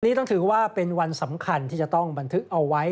ต้องถือว่าเป็นวันสำคัญที่จะต้องบันทึกเอาไว้